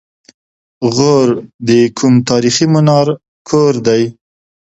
غور د کوم تاریخي منار کور دی؟